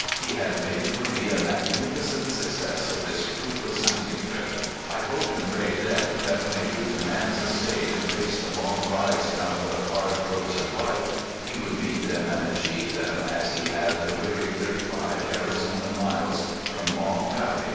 He had made for me a magnificent success of this fruitless hunting trip. I hoped and prayed then that when he grew to man's estate, and faced the long rides down the hard roads of life, he would meet them and achieve them as he had the weary thirty five Arizona miles from Long Valley to Mormon Lake.